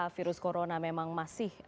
virus corona memang masih